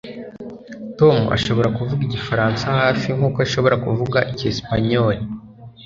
Tom ashobora kuvuga igifaransa hafi nkuko ashobora kuvuga icyesipanyoli